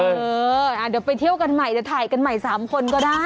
เดี๋ยวไปเที่ยวกันใหม่จะถ่ายกันใหม่๓คนก็ได้